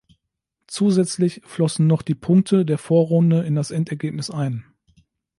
Zusätzlich flossen noch die Punkte der Vorrunde in das Endergebnis ein.